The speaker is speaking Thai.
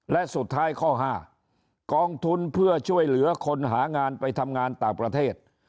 และสุดท้ายข้อ๕กองทุนเพื่อช่วยเหลือคนหางานไปทำงานต่างประเทศ